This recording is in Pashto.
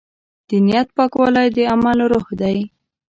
د نیت پاکوالی د عمل روح دی.